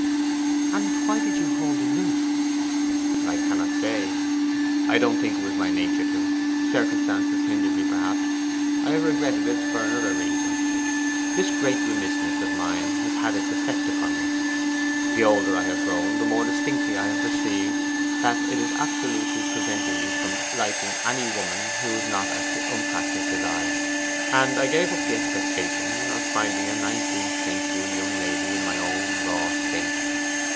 'Then why did you hold aloof?' 'I cannot say. I don't think it was my nature to: circumstance hindered me, perhaps. I have regretted it for another reason. This great remissness of mine has had its effect upon me. The older I have grown, the more distinctly have I perceived that it was absolutely preventing me from liking any woman who was not as unpractised as I; and I gave up the expectation of finding a nineteenth century young lady in my own raw state.